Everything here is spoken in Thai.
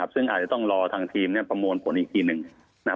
ซึ่งอาจจะต้องรอทางทีมประมวลผลอีกทีหนึ่ง